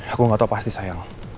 aku gak tau pasti sayang